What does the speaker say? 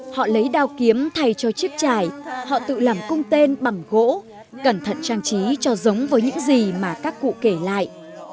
họ lấy đao kiếm thay cho chiếc chải họ tự làm cung tên bằng gỗ cẩn thận trang trí cho giống với những gì mà các cụ kể lại